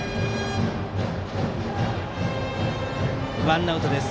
ワンアウトです。